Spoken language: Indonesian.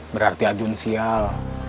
berarti ajun sial